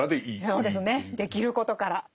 そうですねできることから。